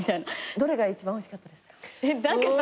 どれが一番おいしかったですか？